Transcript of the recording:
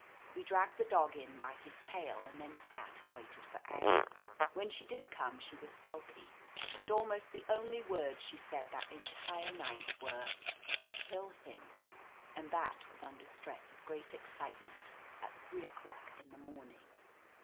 We dragged the dog in by his tail and then sat and waited for Aggie. When she did come she was sulky, and almost the only words she said that entire night were "Kill him !" And that was tmder stress of great excitement, at three o'clock in the morning.